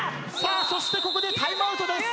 そしてここでタイムアウトです。